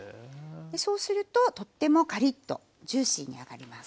そうするととってもカリッとジューシーに揚がります。